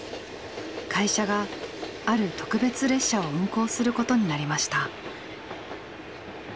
会社がある特別列車を運行することになりました。